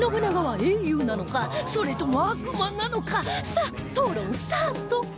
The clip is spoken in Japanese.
さあ討論スタート